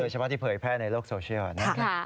เดินเฉพาะที่เผยแพร่ในโลกโซเชียล